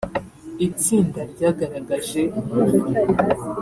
itsinda ryagaragaje ingufu